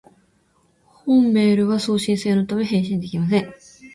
本メールは送信専用のため、返信できません